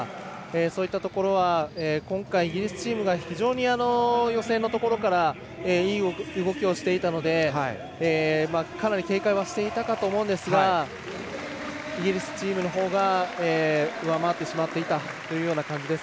そういったところは今回、イギリスチームが非常に予選のところからいい動きをしていたのでかなり警戒はしていたかと思うんですがイギリスチームのほうが上回ってしまっていたということです。